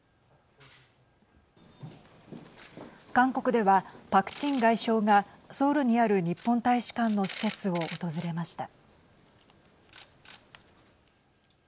韓国では、パク・チン外相がソウルにある日本大使館の施設を訪れました。